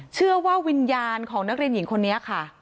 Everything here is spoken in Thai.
เชื่อว่าวิญญาณของนักเรียนหญิงคนนี้ค่ะ